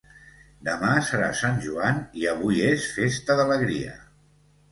Demà serà sant joan i avui és festa d'alegria